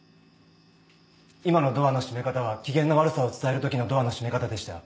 今のドアの閉め方は機嫌の悪さを伝える時のドアの閉め方でしたよ。